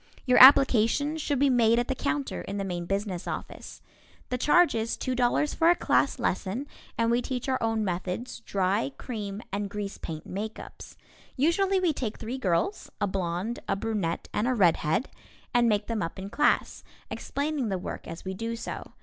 Your application should be made at the counter in the main business office. The charge is $2.00 for a class lesson, and we teach our own methods, dry, cream, and grease paint makeups. Usually we take three girls, a blonde, a brunette and a red head, and make them up in class, explaining the work as we do so.